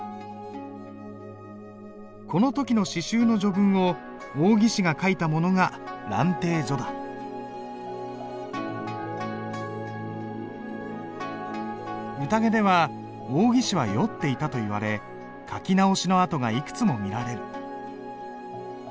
この時の詩集の序文を王羲之が書いたものが宴では王羲之は酔っていたといわれ書き直しの跡がいくつも見られる。